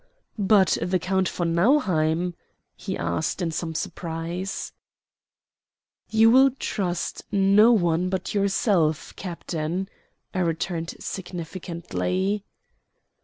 "But the Count von Nauheim?" he asked in some surprise. "You will trust no one but yourself, captain," I returned significantly.